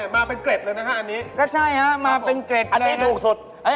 มาเป็นเกร็ดเลยนะฮะอันนี้ก็ใช่ฮะมาเป็นเกร็ดอันนี้ถูกสุด